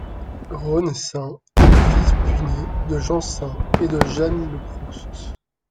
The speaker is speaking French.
René Sain est le fils puîné de Jean Sain et de Jeanne Le Proust.